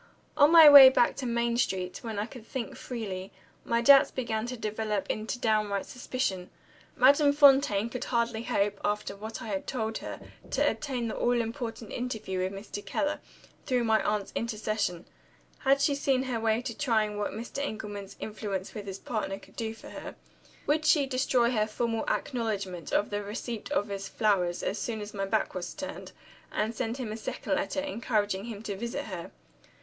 On my way back to Main Street, when I could think freely, my doubts began to develop into downright suspicion. Madame Fontaine could hardly hope, after what I had told her, to obtain the all important interview with Mr. Keller, through my aunt's intercession. Had she seen her way to trying what Mr. Engelman's influence with his partner could do for her? Would she destroy her formal acknowledgment of the receipt of his flowers, as soon as my back was turned, and send him a second letter, encouraging him to visit her?